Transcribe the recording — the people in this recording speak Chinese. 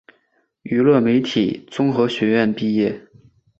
娱乐媒体综合学院毕业。